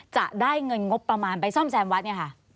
จะได้เงินงบประมาณไปซ่อมแซมวัดเนี่ยค่ะ